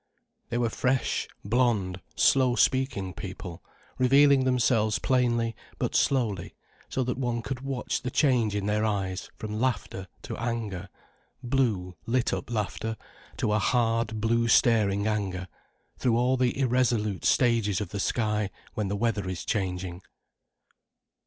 They were fresh, blond, slow speaking people, revealing themselves plainly, but slowly, so that one could watch the change in their eyes from laughter to anger, blue, lit up laughter, to a hard blue staring anger; through all the irresolute stages of the sky when the weather is changing.